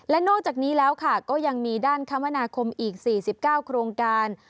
และนอกจากนี้แล้วค่ะก็ยังมีด้านคมนาคมอีก๔๙โครงการ